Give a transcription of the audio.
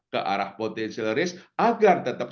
ke arah potensial risk agar tetap